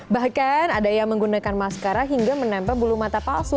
bahkan ada yang menggunakan masker hingga menempel bulu mata palsu